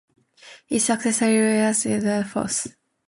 Its successor is the Royal Saudi Air Force.